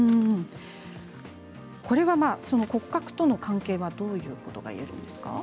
これは骨格との関係はどういうことが言えるんですか。